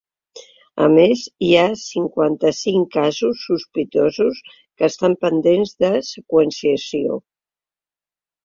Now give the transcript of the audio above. A més, hi ha cinquanta-cinc casos sospitosos que estan pendents de seqüenciació.